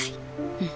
うん。